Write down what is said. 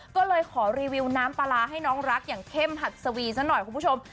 ก็เลยขอรีวิวน้ำปลาร้าให้น้องรักอย่างเข้มหัดสวีซะหน่อยคุณผู้ชม